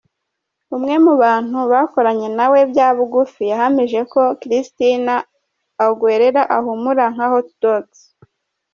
Umwe mu bantu bakoranye nawe bya bugufi yahamije ko Christina Aguilera ahumura nka hotdogs.